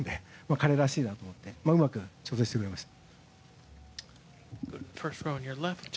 彼らしいなと思ってうまく調整してくれました。